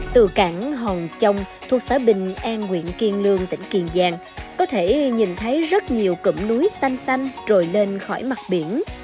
từ cảng hồng chông thuộc xã bình an nguyện kiên lương tỉnh kiên giang có thể nhìn thấy rất nhiều cụm núi xanh xanh trồi lên khỏi mặt biển